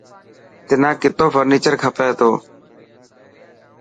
تنا ڪتو فرنيچر کپي تو.